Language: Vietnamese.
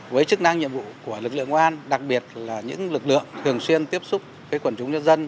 với chức năng nhiệm vụ của lực lượng an đặc biệt là những lực lượng thường xuyên tiếp xúc với quản lý nhân dân